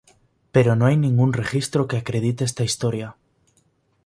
Pero no hay ningún registro que acredite esta historia.